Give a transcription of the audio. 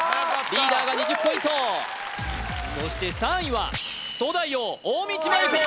リーダーが２０ポイントそして３位は東大王大道麻優子